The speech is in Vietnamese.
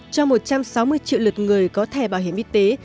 cho một trăm sáu mươi triệu lượt người có thẻ bảo hiểm y tế